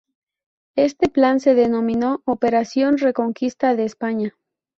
Este plan se denominó ""Operación Reconquista de España"".